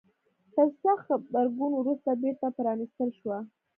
تر سخت غبرګون وروسته بیرته پرانيستل شوه.